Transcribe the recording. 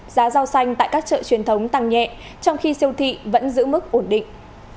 giá rau xanh tại các chợ truyền thống tăng nhẹ trong khi siêu thị vẫn giữ mức ổn định